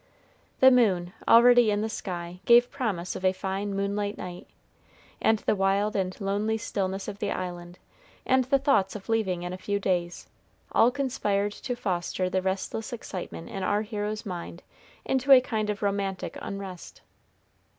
The moon, already in the sky, gave promise of a fine moonlight night; and the wild and lonely stillness of the island, and the thoughts of leaving in a few days, all conspired to foster the restless excitement in our hero's mind into a kind of romantic unrest.